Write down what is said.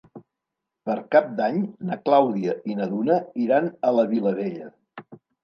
Per Cap d'Any na Clàudia i na Duna iran a la Vilavella.